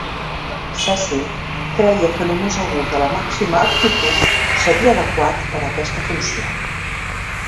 Cecil creia que només algú de la màxima aptitud seria adequat per a aquesta funció.